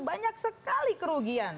banyak sekali kerugian